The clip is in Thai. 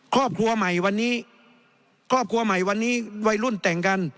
ครอบครัวใหม่วันนี้ครอบครัวใหม่วันนี้วัยรุ่นแต่งกัน